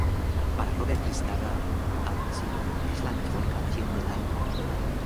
Para Robert Christgau, aun así, es la mejor canción del álbum.